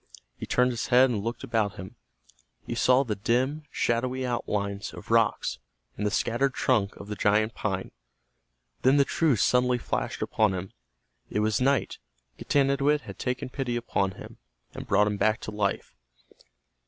He turned his head and looked about him. He saw the dim, shadowy outlines of rocks, and the shattered trunk of the giant pine. Then the truth suddenly flashed upon him. It was night. Getanittowit had taken pity upon him, and brought him back to life.